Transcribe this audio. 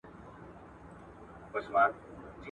د يرموک جګړه د حق او باطل ترمنځ وه.